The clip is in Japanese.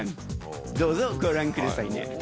どうぞご覧くださいね。